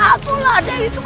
akulah dewi kematianmu